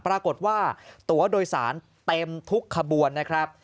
ปรากฏว่าตัวโดยสารเต็มทุกขบวนนะครับ